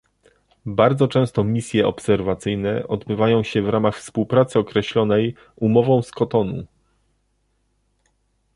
Bardzo często misje obserwacyjne odbywają się w ramach współpracy określonej Umową z Kotonu